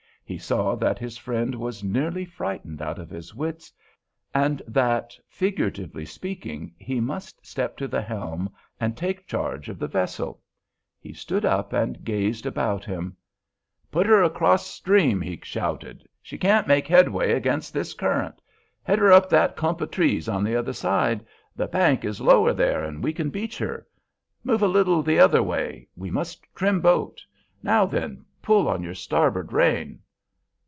He saw that his friend was nearly frightened out of his wits, and that, figuratively speaking, he must step to the helm and take charge of the vessel. He stood up and gazed about him. "Put her across stream!" he shouted; "she can't make headway against this current. Head her to that clump of trees on the other side; the bank is lower there, and we can beach her. Move a little the other way, we must trim boat. Now then, pull on your starboard rein."